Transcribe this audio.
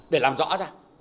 để làm rõ ra